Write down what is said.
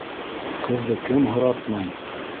Ҡыҙҙы кем һоратмай?